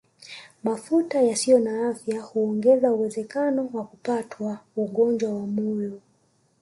Mafuta yasiyo na afya huongeza uwezekano wa kupatwa ugonjwa wa moyo